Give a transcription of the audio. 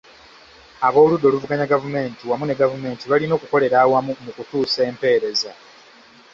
Ab'oludda oluvuganya gavumenti wamu ne gavumenti balina okukolera awamu mu kutuusa empereza.